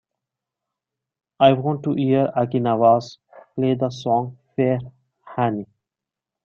I want to hear Aki Nawaz, play the song fair annie.